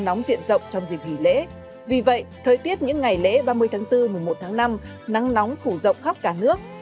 nóng diện rộng trong dịp nghỉ lễ vì vậy thời tiết những ngày lễ ba mươi tháng bốn một mươi một tháng năm nắng nóng phủ rộng khắp cả nước